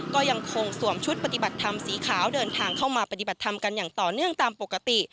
ก็ยังคงสวมชุดปฏิบัติธรรมสีขาวเดินทางเข้ามาปฏิบัติธรรมกันอย่างต่อเนื่องตามปกติ